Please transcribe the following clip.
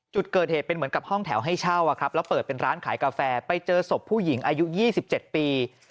จุดเกิดเหตุเป็นเหมือนกับห้องแถวให้เช่าแล้วเปิดเป็นร้านขายกาแฟไปเจอศพผู้หญิงอายุ๒๗ปี